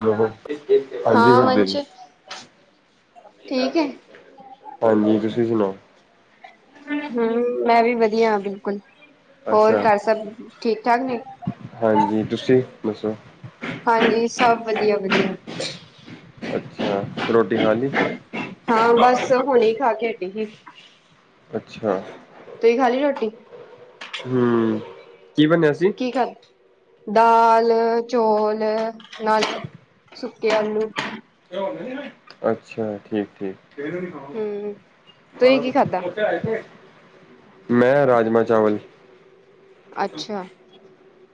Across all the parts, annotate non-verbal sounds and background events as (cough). ' ਹਾਂ ਵੰਸ਼ ਠੀਕ ਹੈ (unintelligible) ਹਾਂਜੀ, ਤੁਸੀਂ ਸੁਣਾਓ। ਹਮ, ਮੈਂ ਵੀ ਵਧੀਆ ਹਾਂ ਬਿਲਕੁਲ ਹੋਰ ਅੱਛਾ ਘਰ ਸਭ ਠੀਕ-ਠਾਕ ਨੇਂ ਹਾਂਜੀ, ਤੁਸੀਂ, ਦੱਸੋ। ਹਾਂਜੀ, ਸਭ ਵਧੀਆ-ਵਧੀਆ। ਅੱਛਾ, ਰੋਟੀ ਖਾ ਲੀ ਹਾਂ, ਬੱਸ ਹੁਣੀ ਖਾ ਕੇ ਹਟੀ ਹੀ। ਅੱਛਾ। ਤੁੂੰ ਹੀ ਖਾਲੀ ਰੋਟੀ ਹਮ, ' (inaudible) ' ਕੀ ਬਣਿਆ ਸੀ ਕੀ ਖਾਧਾ ਦਾਲ, ਚੋਲ, ਨਾਲ ਸੁੱਕੇ ਆਲੂ। ਅੱਛਾ, ਠੀਕ-ਠੀਕ। ਹਮ ਤੁਸੀਂ ਕੀ ਖਾਧਾ ਮੈਂ, ਰਾਜਮਾਂਹ ਚਾਵਲ। ਅੱਛਾ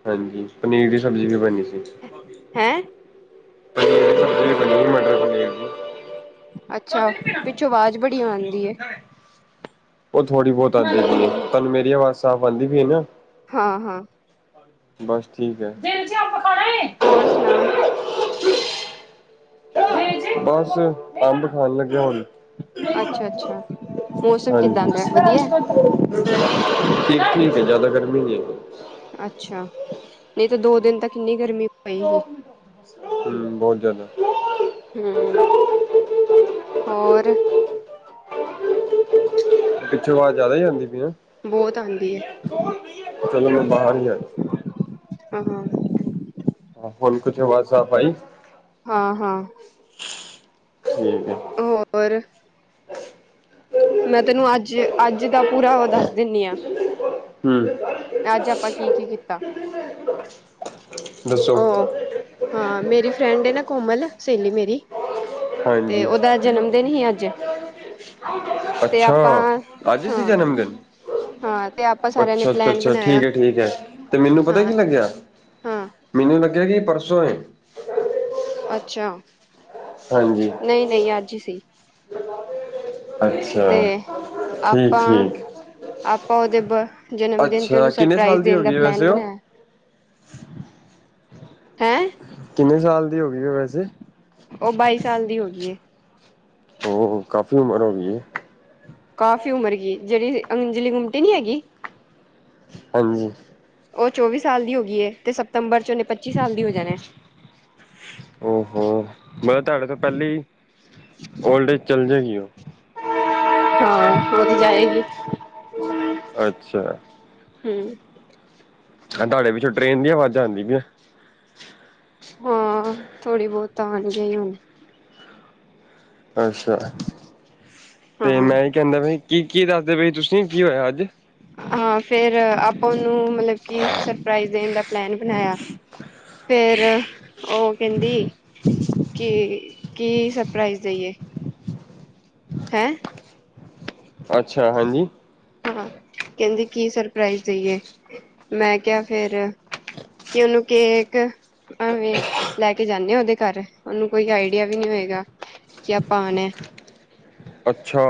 ਹਾਂਜੀ, ਪਨੀਰ ਦੀ ਸਬਜ਼ੀ ਵੀ ਬਣੀ ਸੀ। ਹੈਂ? ਪਨੀਰ ਦੀ ਸਬਜ਼ੀ ਬਣੀ, ਮਟਰ ਪਨੀਰ ਦੀ। ਅੱਛਾ, ਪਿਛੋਂ ਆਵਾਜ਼ ਬੜੀ ਆਂਉਦੀ ਏ। ਉਹ ਥੋੜੀ ਬਹੁਤ ਆਂਦੀ ਪਈ, ਤਹਾਨੂੰ ਮੇਰੀ ਆਵਾਜ਼ ਸਾਫ਼ ਆਉਂਦੀ ਪਈ ਹੈ ਨਾਂ। ਹਾਂ-ਹਾਂ। ਬੱਸ ਠੀਕ ਐ। ਹੋਰ ਸੁਣਾ? ਬੱਸ, ਅੰਬ ਖਾਣ ਲੱਗਿਆ ਹੁਣ। ਅੱਛਾ-ਅੱਛਾ। ਹਾਂਜੀ, ਠੀਕ-ਠੀਕ ਜਿਆਦਾ ਗਰਮੀ ਨੀ ਹੈਗੀ ‌। ਅੱਛਾ ਨਹੀਂ ਤਾਂ ਦੋ ਦਿਨ ਤਾ ਕਿੰਨੀ ਗਰਮੀ ਪਈ ਸੀ। ਹਮ, ਬਹੁਤ ਜਿਆਦਾ। ਹਮ ਹੋਰ। ਪਿੱਛੋਂ ਆਵਾਜ਼ ਜਿਆਦਾ ਹੀ ਆਂਦੀ ਪਈ ਆ। ਬਹੁਤ ਆਂਦੀ ਏ ਚੱਲੋ, ਮੈਂ ਬਾਹਰ ਨੂੰ ਜਾਣਾ ਆ। ਅਹਾ। ਹੁਣ ਕੁਛ ਆਵਾਜ਼ ਸਾਫ ਆਈ। ਹਾਂ- ਹਾਂ। ਠੀਕ ਐ। ਹੋਰ? ਮੈਂ ਤੈਨੂੰ ਅੱਜ -ਅੱਜ ਦਾ ਪੂਰਾ ਉਹ ਦੱਸ ਦਿੰਦੀ ਆ। ਹਮ। ਅੱਜ ਆਪਾਂ ਕੀ-ਕੀ ਕੀਤਾ? ਦੱਸੋ? ਉਹ ਹਾਂ ਮੇਰੀ ਫਰੈਂਡ ਹੈ ਨਾ ਕੋਮਲ ਸਹੇਲੀ ਮੇਰੀ ਤੇ ਹਾਂਜੀ ਉਹਦਾ। ਜਨਮਦਿਨ ਹੀ ਅੱਜ ਤੇ ਅੱਛਾ ਆਪਾਂ ਅੱਜ ਸੀ ਹਾਂ। ਜਨਮ ਦਿਨ ਹਾਂ ਤੇ ਆਪਾਂ ਸਾਰਿਆਂ ਨੇ ਅੱਛਾ ਅੱਛਾ ਪਲੈਨ ਅੱਛਾ ਬਣਾਇਆ ਠੀਕ ਹੈ ਠੀਕ ਹੈ ਤੇ ਮੈਨੂੰ ਪਤਾ ਹਾਂ। ਕੀ ਲੱਗਿਆ ਹਾਂ। ਮੈਨੂੰ ਲੱਗਿਆ ਕਿ ਪਰਸੋਂ ਏ। ਅੱਛਾ, ਹਾਂਜੀ ਨਹੀਂ-ਨਹੀਂ ਅੱਜ ਹੀ ਸੀ। ਅੱਛਾ ਤੇ ਠੀਕ ਆਪਾਂ -ਠੀਕ। ਆਪਾਂ ਉਹਦੇ ਬ ਜਨਮ ਦਿਨ ਤੇ ਅੱਛਾ ਉਹਨੂੰ ਕਿੰਨੇ ਸਾਲ ਸਰਪ੍ਰਈਜ਼ ਦੀ ਹੋ ਦੇਣ ਦਾ ਗਈ ਹੈ ਪਲੈਨ ਵੈਸੇ ਉਹ ਬਣਾਇਆ। ਹੈਂ। ਕਿੰਨੇ ਸਾਲ ਦੀ ਹੋ ਗਈ ਉਹ ਵੈਸੇ। ਉਹ ਬਾਈ ਸਾਲ ਦੀ ਹੋ ਗਈ ਐ। ਉਹ ਕਾਫ਼ੀ ਉਮਰ ਹੋ ਗਈ ਐ। ਕਾਫ਼ੀ ਉਮਰ ਗ ਜਿਹੜੀ ਅੰਜਲੀ ਗੁੰਮਟੀ ਨੀ ਹੈਗੀ। ਹਾਂਜੀ। ਉਹ ਚੌਵੀ ਸਾਲ ਦੀ ਹੋ ਗਈਏ ਤੇ ਸਤੰਬਰ ਚ ਉਹ ਨੇ ਪੱਚੀ ਸਾਲ ਦੀ ਹੋ ਜਾਣੇ। ਹੋ ਮਤਲਬ ਤੁਹਾਡੇ ਤੋਂ ਪਹਿਲੇ ਹੀ ਓਲਡ ਏਜ ਚੱਲ ਜਾਏਗੀ ਉਹ। ਹਾਂ, ਉਰ ਜਾਏਗੀ। ਅੱਛਾ। ਹਮ। ਹਾਂ ਤੁਹਾਡੇ ਪਿੱਛੋਂ ਟਰੇੇਨ ਦੀ ਆਵਾਜ਼ਾਂ ਆਦੀਆਂ ਪੀਆਂ। ਹਾਂ ਥੋੜ੍ਹੀ ਬਹੁਤ ਤਾਂ ਆਣ ਗਈਆ ਹੁਣ। ਅੱਛਾ ਤੇ ਹਾਂ ਮੈਂ ਕਹਿੰਦਾ ਪਿਆ ਕੀ- ਕੀ ਦੱਸਦੇ ਪਾਏ ਤੁਸੀਂ ਕੀ ਹੋਇਆ ਅੱਜ। ਹਾਂ ਫੇਰ ਆਪਾਂ ਉਹਨੂੰ ਮਤਲਬ ਕਿ ਸਰਪ੍ਰਾਈਜ਼ ਦੇਣ ਦਾ ਪਲੈਨ ਬਣਾਇਆ। ਫੇਰ ਉਹ ਕਹਿੰਦੀ। ਕੀ- ਕੀ ਸਰਪ੍ਰਾਈਜ਼ ਦਈਏ। ਹੈਂ। ਅੱਛਾ ਹਾਂਜੀ ਹਾਂ ਕਹਿੰਦੀ ਕੀ ਸਰਪ੍ਰਾਈਜ਼ ਦੇਈਏ ਮੈਂ ਕਿਹਾ ਫਿਰ। ਕਿ ਉਹਨੂੰ ਕੇਕ। ਐਵੇ ਲੈ ਕੇ ਜਾਂਦੇ ਆ ਉਹਦੇ ਘਰ ਉਹਨੂੰ ਕੋਈ ਆਈਡੀਆ ਵੀ ਨੀ ਹੈਗਾ। ਜੇ ਆਪਾਂ ਆਉਣਾ ਅੱਛਾ।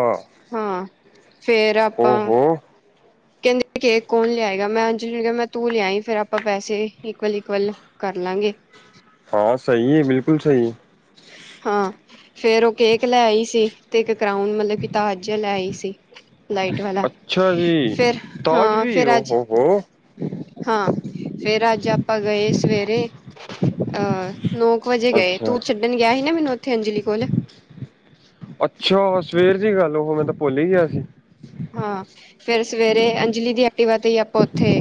ਹਾਂ, ਫੇਰ ਆਪਾਂ ਓਹੋ ਕਹਿੰਦੇ ਕੇਕ ਕੌਣ ਲਿਆਏਗਾ? ਮੈਂ ਅੰਜਲੀ ਮੈਂ ਤੂੰ ਲਿਆਈ ਫੇਰ ਆਪਾਂ ਪੈਸੇ ਇਕੁਅਲ-ਇਕੁਅਲ ਕਰ ਲਾਂਗੇ। ਹਾਂ ਸਹੀ ਏ। ਬਿਲਕੁਲ ਸਹੀ ਏ। ਹਾਂ ਫੇਰ ਉਹ ਕੇਕ ਲੈ ਆਈ ਸੀ ਤੇ ਇੱਕ ਕਰਾਊਨ ਮਤਲਬ ਕਿ ਤਾਜ ਲੈ ਆਈ ਸੀ। ਲਾਈਟ ਵਾਲਾ। ਅੱਛਾ ਜੀ ਫਿਰ ਤਾਜ ਹਾਂ ਵੀ ਫੇਰ ਅੱਜ ਓਹੋ ਹੋ ਹਾਂ ਫਿਰ ਅੱਜ ਆਪਾਂ ਗਏ ਸਵੇਰੇ ਅਹ ਨੌ ਕੁ ਵਜੇ ਗਏ ਅੱਛਾ ਤੂੰ ਛੱਡਣ ਗਿਆ ਸੀ ਨਾ ਮੈਨੂੰ ਉੱਥੇ ਅੰਜਲੀ ਕੋਲ। ਅੱਛਾ, ਸਵੇਰ ਦੀ ਗੱਲ, ਉਹ ਮੈਂ ਤਾਂ ਭੁੱਲ ਹੀ ਗਿਆ ਸੀ। ਹਾਂ, ਫਿਰ ਸਵੇਰੇ ਅੰਜਲੀ ਦੀ ਐਕਟੀਵਾ ਤੇ ਹੀ ਆਪਾਂ ਉੱਥੇ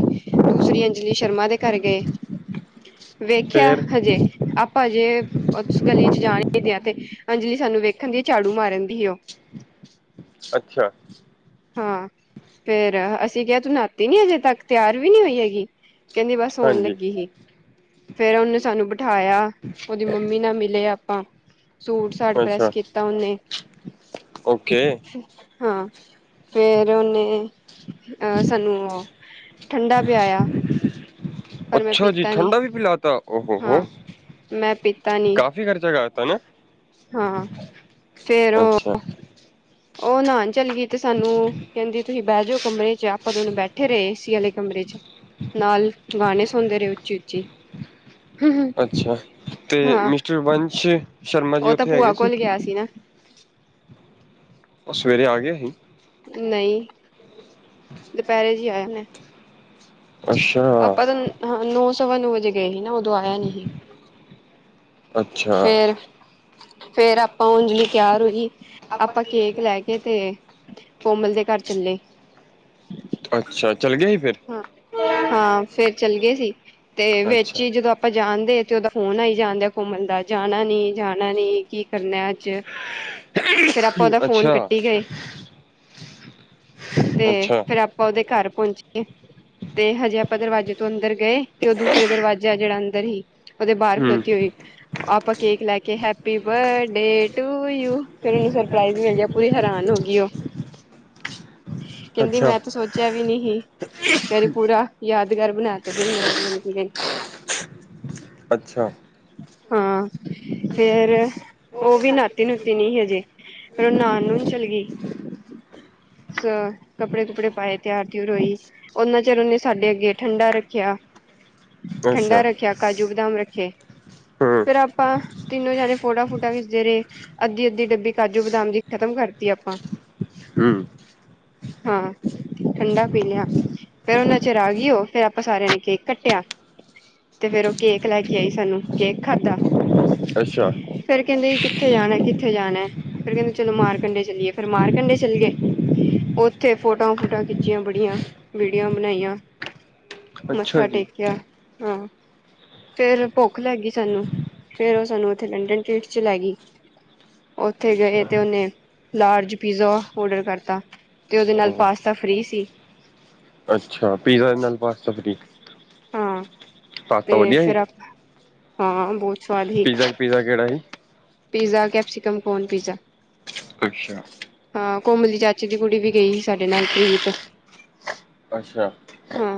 ਦੂਸਰੀ ਅੰਜ- ਲੀ ਸ਼ਰਮਾ ਦੇ ਘਰ ਗਏ ਵੇਖਿਆ ਫੇਰ ਹਜੇ ਆਪਾਂ ਜੇ ਉਸ ਗਲੀ ਚ ਜਾਣੀਦੇ ਹ ਤੇ ਅੰਜਲੀ ਸਾਨੂੰ ਵੇਖਣ ਦੀ ਝਾੜੂ ਮਾਰਨ ਦੀ ਸੀ ਉਹ। ਅੱਛਾ। ਹਾਂ ਫਿਰ ਅਸੀਂ ਕਿਹਾ ਤੂੰ ਨਹਾਤੀ ਨੀ ਅਜੇ ਤੱਕ, ਤਿਆਰ ਵੀ ਨਹੀ ਹੋਈ ਹੈਗੀ। ਕਹਿੰਦੀ ਬਸ ਹੋਣ ਹਾਂਜੀ ਲੱਗੀ ਸੀ ਫਿਰ ਉਹਨੇ ਸਾਨੂੰ ਬਿਠਾਇਆ। ਉਹਦੀ ਮੰਮੀ ਨਾਲ ਮਿਲੇ ਆਪਾਂ। ਸੂਟ ਸਾਟ ਪ੍ਰੈਸ ਅੱਛਾ, ਕੀਤਾ ਉਹਨੇ ਓਕੇ। ਹਾਂ, ਫੇਰ ਉਹ ਓਨੇ ਅਹ ਸਾਨੂੰ ਉਹ ਠੰਡਾ ਪਿਆਇਆ। ਪਰ ਮੈਂ ਅੱਛਾ ਜੀ। ਪੀਤਾ ਨੀ ਠੰਡਾ ਵੀ ਪਿਲਾ ਤਾਂ ਉ ਹੋ ਆ ਹੋ। ਹਾਂ ਮੈਂ ਪੀਤਾ ਨੀ ਕਾਫੀ ਖਰਚਾ ਕਰ ਦਿੱਤਾ ਨਾ। ਹਾਂ, ਫੇਰ ਉਹ ਅੱਛਾ। ਉਹ ਨਹਾਣ ਚੱਲ ਗਈ ਤੇ ਸਾਨੂੰ ਕਹਿੰਦੀ ਤੁਸੀ ਬਹਿ ਜਾਓ ਕਮਰੇ 'ਚ ਆਪਾਂ ਦੋਨੂੰ ਬੈਠੇ ਰਹੇ ਸੀ ਹਾਲੇ। ਕਮਰੇ 'ਚ ਨਾਲ ਗਾਣੇ ਸੁਣਦੇ ਰਹੇ ਉੱਚੀ-ਉੱਚੀ। ਅੱਛਾ ਤੇ ਹਾਂ ਮਿਸਟਰ ਵੰਸ਼ ਸ਼ਰਮਾਂ ਜੀ ਉੱਥੇ ਹੈਗੇ ਸੀ। ਅਸੀ ਨਾ ਉਹ ਸਵੇਰੇ ਆ ਗਏ। ਕੀ। ਨਹੀਂ। ਦੁਪਹਿਰੇ ਜੀ ਆਇਆ ਮੈਂ। ਅੱਛਾ। ਆਪਾਂ ਤਾਂ ਨੌ ਸਵਾ ਨੌ ਵਜੇ ਗਏ ਸੀ ਨਾ ਉਦੋਂ ਆਇਆ ਨਹੀ ਸੀ। ਅੱਛਾ ਫੇਰ ਫੇਰ ਆਪਾਂ ਉਂਜਲੀ ਤਿਆਰ ਹੋਈ ਆਪਾਂ ਕੇਕ ਲੈ ਕੇ ਤੇ ਕੋਮਲ ਦੇ ਘਰ ਚੱਲੇ। ਅੱਛਾ, ਚੱਲਗੀ ਫਿਰ। ਹ ਹਾਂ ਫੇਰ ਚੱਲ ਗਏ ਸੀ ਤੇ ਵਿੱਚ ਅੱਛਾ ਹੀ ਜਦੋਂ ਆਪਾਂ ਜਾਣਦੇ ਆ ਤੇ ਉਹਦਾ ਫੋਨ ਆਈ ਜਾਂਦਾ ਆ ਘੁੰਮਣ ਦਾ ਜਾਣਾ ਨੀ-ਜਾਣਾ ਨੀ। ਕੀ ਕਰਨਾ ਅੱਜ। (inaudible) ਫਿਰ ਆਪਾਂ ਉਹਦਾ ਫੋਨ ਅੱਛਾ ਕੱਟੀ ਗਏ ਤੇ ਅੱਛਾ ਫਿਰ ਆ ਆਪਾਂ ਉਹਦੇ ਘਰ ਪਹੁੰਚੇ ਏ ਤੇ ਹਜੇ ਆਪਾਂ ਦਰਵਾਜੇ ਤੋਂ ਅੰਦਰ ਗਏ ਤੇ ਉਹ ਦੂਸਰੇ ਦਰਵਾਜ਼ਾ ਜਿਹੜਾ ਅੰਦਰ ਹੀ ਉਹਦੇ ਬਾਹਰ ਹੂੰ ਖਲੋਤੀ ਹੋਈ। ਆਪਾਂ ਕੇਕ ਲੈ ਕੇ ਹੈਪੀ ਬਰਥਡੇ ਟੂ ਯੂ ਫਿਰ ਮਿਲ ਪੂਰੀ ਹੈਰਾਨ ਹੋ ਗਈ ਉਹ ਕਹਿੰਦੀ ਅੱਛਾ ਮੈਂ ਤੇ ਸੋਚ ਚ ਵੀ ਨਹੀਂ ਸੀ। ਕਹਿ ਰੀ ਪੂਰਾ ਯਾਦਗਾਰ ਬਣਾ ਤਾਂ ਤੁਸੀ ਮੇਰਾ ਜਨਮਦਿਨ। ਅੱਛਾ। ਹਾਂ ਫੇਰ ਉਹ ਵੀ ਨਾਤੀ -ਨੁਤੀ ਨੀਂ ਹਜੇ ਫਿਰ ਉਹ ਨਾਨ- ਨੂੰਨ ਚੱਲ ਗਈ। ਸ ਕੱਪੜੇ -ਕੁਪੜੇ ਪਾਏ ਤਿਆਰ -ਤਿਉਰ ਹੋਈ। ਉਹਨਾਂ ਚਿਰ ਉਹਨੇ ਸਾਡੇ ਅੱਗੇ ਠੰਡਾ ਰੱਖਿਆ, ਠੰਡਾ ਅੱਛਾ ਰੱਖਿਆ। ਕਾਜੂ, ਬਦਾਮ ਰੱਖੇ ਹੂੰ ਫਿਰ ਆਪਾਂ ਤਿੰਨੋ ਜਾਣੇ ਫੋਟਾਂ- ਫੋਟਾ ਖਿੱਚਦੇ ਰਹੇ। ਅੱਧੀ-ਅੱਧੀ ਡੱਬੀ, ਕਾਜੂ, ਬਦਾਮ ਦੀ ਖ਼ਤਮ ਕਰਤੀ ਆਪਾਂ। ਹਮ। ਹਾਂ ਠੰਡਾ ਪੀ ਲਿਆ। ਫਿਰ ਉਹਨਾ ਚਿਰ ਆ ਗਈ ਉਹ ਫਿਰ ਆਪਾਂ ਸਾਰਿਆਂ ਨੇ ਕੇਕ ਕੱਟਿਆ। ਤੇ ਫੇਰ ਉਹ ਕੇਕ ਲੈ ਕੇ ਆਈ ਸਾਨੂੰ ਕੇਕ ਖਾਧਾ। ਅੱਛਾ। ਫੇਰ ਕਹਿੰਦੀ ਕਿੱਥੇ ਜਾਣਾ, ਕਿਥੇ ਜਾਣਾ ਫੇਰ ਕਹਿੰਦੇ ਚਲੋ ਮਾਰ ਕੰਢੇ ਚਲੀਏ ਫੇਰ ਮਾਰ ਕੰਢੇ ਚੱਲ ਗਏ। ਉੱਥੇ ਫੋਟੋਓ-ਫੋਟਾਂਓ ਖਿੱਚੀਆਂ ਬੜੀਆਂ ਵੀਡੀਓ ਬਣਾਈਆਂ, ਅੱਛਾ ਮੱਥਾ ਜੀ ਟੇਕਿਆ ਹਾਂ। ਫੇਰ ਭੁੱਖ ਲੱਗੀ ਸਾਨੂੰ ਫੇਰ ਉਹ ਸਾਨੂੰ ਉਥੇ ਲੰਡਨ ਟਰੀਟ'ਚ ਲੈ ਗਈ। ਉੱਥੇ ਗਏ ਅੱਛਾ ਤੇ ਉਹਨੇ ਲਾਰਜ ਪੀਜ਼ਾ ਔਡਰ ਕਰਤਾ ਤੇ ਉਹਦੇ ਨਾਲ ਪਾਸਤਾ ਫਰੀ ਸੀ। ਅੱਛਾ ਪੀਜ਼ਾ ਦੇ ਨਾਲ ਪਾਸਤਾ ਫਰੀ ਸੀ। ਹਾਂ। ਪਾਸਤਾ ਤੇ ਵਧੀਆ ਫਿਰ (inaudible) ਹਾਂ ਬਹੁਤ ਸਵਾਦ ਸੀ। ਪੀਜ਼ਾ ਪੀਜ਼ਾ ਕਿਹੜਾ ਸੀ ਪੀਜ਼ਾ ਕੈਪਸੀਕਮ ਕੌਨ ਪੀਜ਼ਾ। ਅੱਛਾ। ਹਾਂ ਕੋਮਲ ਦੀ ਚਾਚੀ ਦੀ ਕੁੜੀ ਵੀ ਗਈ ਸੀ ਸਾਡੇ ਨਾਲ ਪ੍ਰੀਤ ਅੱਛਾ। ਹਾਂ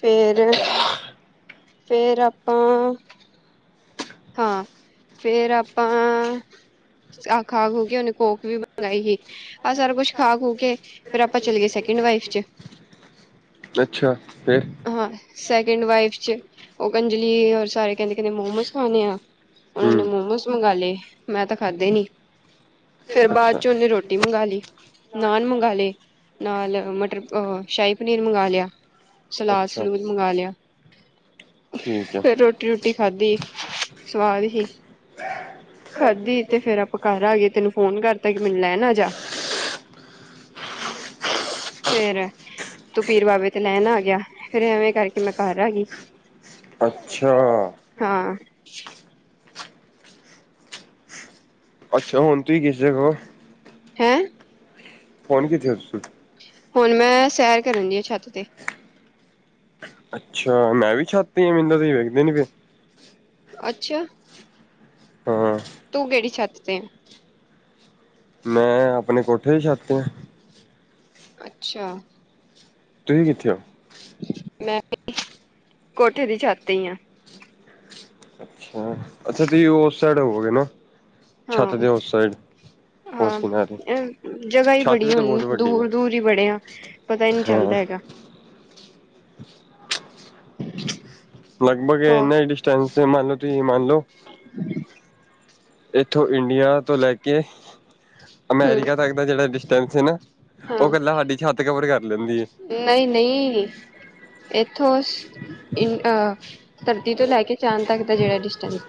ਫੇਰ (inaudible) ਫੇਰ ਆਪਾਂ ਹਾਂ ਫੇਰ ਆਪਾਂ ਆ ਖਾ- ਖੂ ਕੇ ਉਹਨੇ ਕੋਕ ਵੀ ਮੰਗਾਈ ਸੀ। ਆਹ ਸਾਰਾ ਕੁਛ ਖਾ- ਖੂ ਕੇ ਫੇਰ ਆਪਾਂ ਚਲੇ ਗਏ ਸੈਕਿੰਡ ਵਾਈਫ 'ਚ ਅੱਛਾ ਫੇ ਹਾਂ ਸੈਕਿੰਡ ਵਾਈਫ'ਚ ਉਹ ਕੰਜਲੀ ਔਰ ਸਾਰੇ ਕਹਿੰਦੇ-ਕਹਿੰਦੇ ਮੋਮੋਸ ਖਾਣੇ ਆ। ਉਹਨਾਂ ਨੇ ਹੂੰ ਮੋਮੋਸ ਮੰਗਵਾ ਲਏ ਮੈਂ ਤਾਂ ਖਾਧੇ ਨੀਂ। ਫੇਰ ਬਾਅਦ'ਚ ਉਹਨੇਂ ਰੋਟੀ ਮੰਗਵਾ ਲਈ। ਨਾਨ ਮੰਗਵਾ ਲਏ ਨਾਲ ਮਟਰ ਅ ਸ਼ਾਹੀ ਪਨੀਰ ਮੰਗਵਾ ਲਿਆ। ਸਲਾਦ ਅੱਛਾ -ਸਲੂਦ ਮੰਗਵਾ ਲਿਆ। ਠੀਕ ਐ। ਫੇਰ ਰੋਟੀ -ਰੂਟੀ ਖਾਧੀ ਸਵਾਦ ਹੀ। ਖਾਧੀ ਤੇ ਫੇਰ ਆਪਾਂ ਘਰ ਆਏ ਤੈਨੂੰ ਫੋਨ ਕਰਤਾ ਕਿ ਮੈਨੂੰ ਲੈਣ ਆਜਾ। ਫੇਰ ਤੂੰ ਪੀਰ ਬਾਬੇ ਤੇ ਲੈਣ ਆ ਗਿਆ ਫੇਰ ਐਵੇਂ ਕਰਕੇ ਮੈਂ ਘਰ ਆ ਗਈ। ਅੱਛਾ। ਹਾਂ। ਅੱਛਾ ਹੁਣ ਤੁਸੀਂ ਕਿਸ ਜਗ੍ਹਾ ਓ ਹੈਂ। ਹੁਣ ਕਿਥੇ ਆ ਹੁਣ, ਮੈਂ ਸੈਰ ਕਰਨ ਡਈ ਆ ਛੱਤ ਤੇ ਅੱਛਾ, ਮੈਂ ਵੀ ਛੱਤ ਤੇ ਆ, ਮੈਨੂੰ ਤੇ ਤੁਸੀ ਵਿਖਦੇ ਨੀਂ ਪਏ। ਅੱਛਿਆ। ਹਾਂ ਤੂੰ ਕਿਹੜੀ ਛੱਤ ਤੇ ਆਂ? ਮੈਂ, ਆਪਣੇ ਕੋਠੇ ਦੀ ਛੱਤ ਤੇ ਆ। ਅੱਛਾ। ਤੁਸੀਂ ਕਿੱਥੇ ਓ? ਮੈਂ ਵੀ, ਕੋਠੇ ਦੀ ਛੱਤ ਤੇ ਈ ਆ। ਅੱਛਾ। ਅੱਛਾ, ਤੁਸੀਂ ਓਸ ਸਾਈਡ ਹੋਵੋਗੇ ਨਾ, ਛੱਤ ਹਾਂ ਦੇ ਉਸ ਸਾਈਡ। ਉਸ ਹਾਂ, ਕਿਨਾਰੇ ਜਗ੍ਹਾ ਈ ਛੱਤ ਬੜੀ ਵੀ ਤਾਂ ਹੋਣੀ ਬਹੁਤ ਵੱਡੀ ਹੈ ਦੂਰ-ਦੂਰ ਈ ਬੜੇ ਆ। ਪਤਾ ਈ ਨੀ ਹਾਂ ਚੱਲਦਾ ਹੈਗਾ। ਲਗਭਗ ਹਾਂ ਇਨ੍ਹਾ ਈ ਡਿਸਟੈਂਨਸ ਮੰਨ ਲੋ ਤੁਸੀਂ ਮੰਨ ਲੋ। ' (inaudible) ਇੱਥੋਂ ਇੰਡੀਆ ਤੋਂ ਲੈ ਕੇ, ਹਮ ਅਮੇਰਿਕਾ ਤੱਕ ਦਾ ਜਿਹੜਾ ਡਿਸਟੈਂਸ ਨਾ ਉਹ ਕੱਲਾ ਸਾਡੀ ਛੱਤ ਕਵਰ ਕਰ ਲੈਂਦੀ ਏ। ਨਹੀਂ-ਨਹੀਂ। ਇੱਥੋਂ, ਇੰਡ ਧਰਤੀ ਤੋਂ ਲੈ ਕੇ ਚਾਂਦ ਤੱਕ ਦਾ ਜਿਹੜਾ ਡਿਸਟੈਂਸ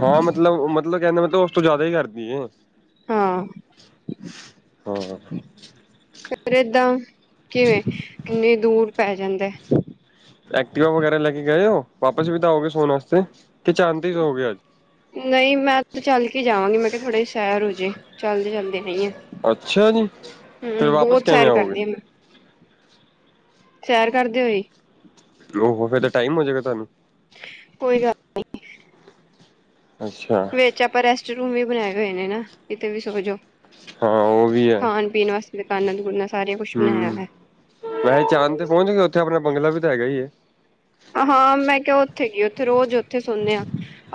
ਹਾਂ, ਮਤਲਬ-ਮਤਲਬ ਕਹਿੰਦੇ ਮਤਲਬ ਉਸ ਤੋਂ ਜ਼ਿਆਦਾ ਈ ਕਰਦੀ ਏ। ਹਾਂ। ਹਾਂ। ਫਿਰ ਏਦਾਂ ਕਿਵੇਂ? ਇੰਨ੍ਹੀ ਦੂਰ ਪੈ ਜਾਂਦੇ। ਐਕਟਿਵਾ ਵਗੈਰਾ ਲੈ ਕੇ ਗਏ ਓ, ਵਾਪਸ ਵੀ ਤਾਂ ਆਓਗੇ ਸੌਣ ਆਸਤੇ, ਕਿ ਚਾਂਦ ਤੇ ਸੌਓ ਗੇ ਅੱਜ ਨਹੀਂ, ਮੈਂ ਤੇ ਚੱਲ ਕੇ ਜਾਵਾਂਗੀ ਮੈਂ ਕਿਹਾ ਥੋੜ੍ਹੇ ਸੈਰ ਹੋਜੇ ਚੱਲਦੇ-ਚੱਲਦੇ ਨਹੀਂ ਆ। ਅੱਛਾ ਜੀ ਫਿਰ ਹੂੰ, ਵਾਪਸ ਬਹੁਤ ਕਿਵੇਂ ਸੈਰ ਆਓਗੇ ਕਰਦੀ ਆ ਮੈਂ ਸੈਰ ਕਰਦੇ ਓ ਜ਼ੀ? ਲੋ ਤਾਂ ਟਾਈਮ ਹੋ ਜਾਏਗਾ ਤੁਹਾਨੂੰ ਕੋਈ ਗੱਲ ਅੱਛਾ ਵੇਚ ਆਪਾਂ ਰੈਸਟ ਰੂਮ ਵੀ ਬਣਾਏ ਹੋਏ ਨੇ ਨਾ, ਕੀਤੇ ਵੀ ਸੌ ਜੋ। ਹਾਂ ਉਹ ਵੀ ਐ। ਪੀਣ ਵਾਸਤੇ ਦਕਾਨਾਂ-ਦੁਕਾਨਾ ਹੂੰ, ਵੈਸੇ ਚਾਂਦ ਤੇ ਪਹੁੰਚ ਗਏ, ਉੱਥੇ ਆਪਣਾ ਬੰਗਲਾ ਵੀ ਤਾਂ ਹੈਗਾ ਈ ਐ। ਹਾਂ, ਮੈਂ ਕਿਹਾ ਉੱਥੇ ਕੀ, ਉੱਥੇ ਰੋਜ਼ ਉੱਥੇ ਸੌਣੇ ਆ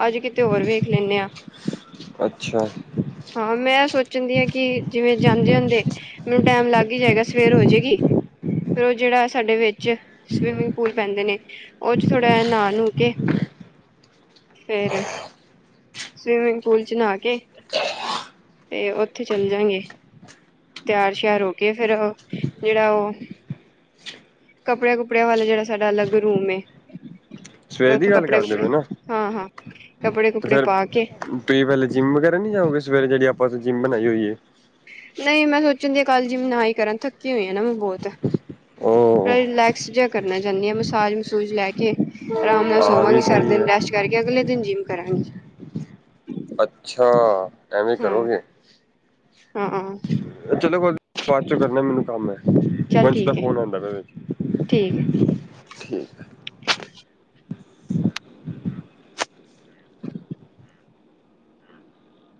ਅੱਜ ਕਿਤੇ ਹੋਰ ਵੇਖ ਲੈਂਨੇ ਆ। ਅੱਛਾ। ਹਾਂ, ਮੈਂ ਸੋਚਣ ਡਈ ਆ, ਕਿ ਜਿਵੇਂ ਜਾਂਦੇ-ਜਾਂਦੇ ਮੈਨੂੰ ਟੈਮ ਲੱਗ ਈ ਜਾਏਗਾ ਸਵੇਰ ਹੋ ਜਾਏਗੀ, ਫਿਰ ਉਹ ਜਿਹੜਾ ਸਾਡੇ ਵਿੱਚ ਸਵਿਮਿੰਗ ਪੂਲ ਪੈਂਦੇ ਨੇ, ਉਹ 'ਚ' ਥੋੜ੍ਹਾ ਜਿਆ ਨਾ-ਨੂੰ ਕੇ ਫਿਰ ਸਵੀਮਿੰਗ ਪੂਲ 'ਚ' ਨਾ ਕੇ, ਤੇ ਉੱਥੇ ਚੱਲ ਜਾਂਗੇ। ਤਿਆਰ ਸ਼ਿਆਰ ਹੋ ਕੇ ਫਿਰ ਜਿਹੜਾ ਉਹ ਕੱਪੜਿਆਂ-ਕੁਪੜਿਆਂ ਵਾਲਾ ਜਿਹੜਾ ਸਾਡਾ ਅਲੱਗ ਰੂਮ ਏ। ਸਵੇਰ ਦੀ ਉੱਥੋਂ ਗੱਲ ਕਰਦੇ ਕੱਪੜੇ-ਕੁਪੜੇ ਪਏ ਨਾ ਹਾਂ-ਹਾਂ ਕੱਪੜੇ-ਕੁਪੜੇ ਪਾ ਕੇ ਤੁਸੀ ਪਹਿਲੇ ਜਿਮ ਵਗੈਰਾ ਨੀ ਜਾਉਗੇ, ਸਵੇਰੇ ਜਿਹੜੀ ਆਪਾ ਜਿਮ ਬਣਾਈ ਹੋਈਏ। ਨਹੀਂ, ਮੈਂ ਸੋਚਣ ਦੀ ਆ, ਕੱਲ ਜਿਮ ਨਾ ਈ ਕਰਾ ਥੱਕੀ ਹੋਈ ਆ ਨਾ ਬਹੁਤ। ਉਹ ਰਿਲੈਕਸ ਜਿਹਾ ਕਰਨਾ ਚਾਹੁੰਦੀ ਆ, ਮਸਾਜ -ਮਸੂਜ ਲੈ ਕੇ। ਆਰਾਮ ਨਾਲ ਆਹ ਵੀ ਸੌਵਾਗੀ ਸਾਰਾ ਸਹੀ ਦਿਨ ਹੈ ਰੈਸਟ ਕਰਕੇ ਅਗਲੇ ਦਿਨ ਜਿੰਮ ਕਰਾਂਗੀ। ਅੱਛਾ, ਐਂਵੇ ਹਾਂ ਕਰੋਗੇ। ਹਾਂ ਚਲੋ ਬਾਅਦ ਚੋਂ ਕਰਨਾ ਮੈਨੂੰ ਕੰਮ ਏ, ਚੱਲ ਵੰਸ਼ ਦਾ ਠੀਕ ਹੈ ਫੋਨ ਆਉਂਦਾ ਪਿਆ। ਠੀਕ ਏ। ਠੀਕ।